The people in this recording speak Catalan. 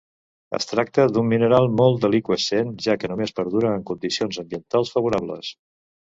Es tracta d'un mineral molt deliqüescent, ja que només perdura en condicions ambientals favorables.